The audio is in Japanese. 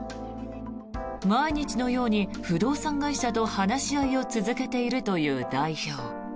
毎日のように不動産会社と話し合いを続けているという代表。